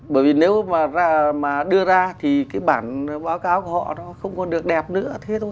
bởi vì nếu mà đưa ra thì cái bản báo cáo của họ nó không còn được đẹp nữa